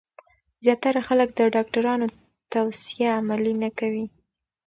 زیاتره خلک د ډاکټرانو توصیه عملي نه کوي.